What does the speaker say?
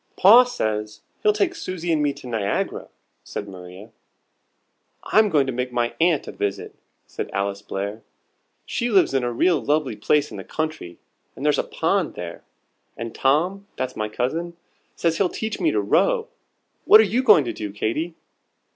"Pa says he'll take Susie and me to Niagara," said Maria. "I'm going to make my aunt a visit," said Alice Blair. "She lives in a real lovely place in the country, and there's a pond there; and Tom (that's my cousin) says he'll teach me to row. What are you going to do, Katy?"